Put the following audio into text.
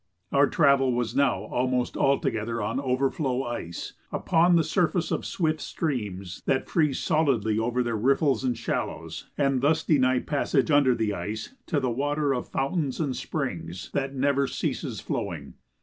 Our travel was now almost altogether on "overflow" ice, upon the surface of swift streams that freeze solidly over their riffles and shallows and thus deny passage under the ice to the water of fountains and springs that never ceases flowing.